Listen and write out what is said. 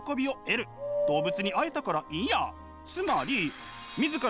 動物に会えたからいいや。